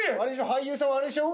俳優さんはあれでしょ。